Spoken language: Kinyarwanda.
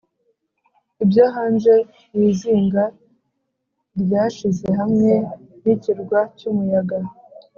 ibyo hanze yizinga ryashize hamwe nikirwa cyumuyaga